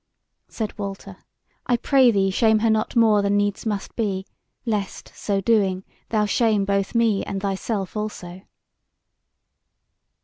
Said Walter: "I pray thee shame her not more than needs must be, lest, so doing, thou shame both me and thyself also."